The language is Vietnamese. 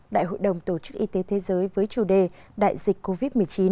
đại hội đồng tổ chức y tế thế giới với chủ đề đại dịch covid một mươi chín